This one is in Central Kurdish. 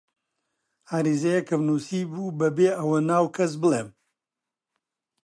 عەریزەیەکم نووسیبوو بەبێ ئەوە ناو کەس بڵێم: